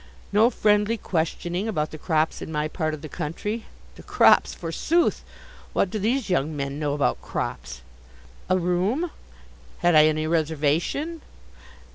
No friendly questioning about the crops in my part of the country. The crops, forsooth! What do these young men know about crops? A room? Had I any reservation?